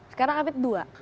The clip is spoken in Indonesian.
sekarang ada dua